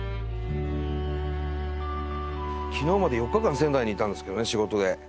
昨日まで４日間仙台にいたんですけどね仕事で。